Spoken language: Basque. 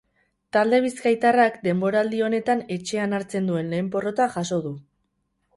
Talde bizkaitarrak denboraldi honetan etxean hartzen duen lehen porrota jaso du.